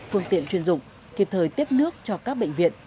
phương tiện chuyên dụng kịp thời tiếp nước cho các bệnh viện